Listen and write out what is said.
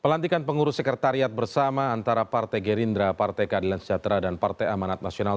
pelantikan pengurus sekretariat bersama antara partai gerindra partai keadilan sejahtera dan partai amanat nasional